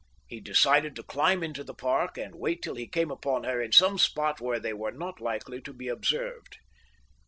He decided to climb into the park and wait till he came upon her in some spot where they were not likely to be observed.